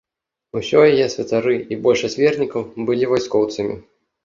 Усё яе святары і большасць вернікаў былі вайскоўцамі.